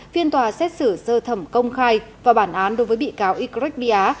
phiên tòa xét xử sơ thẩm công khai và bản án đối với bị cáo ycret bia